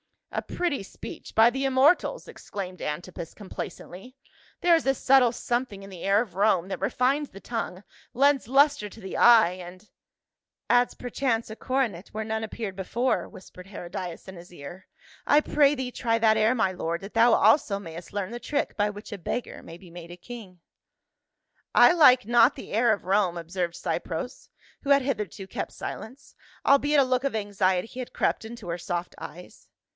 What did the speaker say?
"A pretty speech, by the immortals!" exclaimed Antipas complacently. " There is a subtile something in the air of Rome that refines the tongue, lends luster to the eye, and —"" Adds perchance a coronet where none appeared before," whispered Herodias in his ear. " I pray thee try that air, my lord, that thou also may.st learn the trick by which a beggar may be made a king." " I like not the air of Rome," observed Cypres, who had hitherto kept silence, albeit a look of anxict) had crept into her soft eyes.